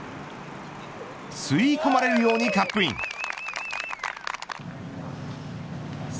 吸い込まれるようにカップイン。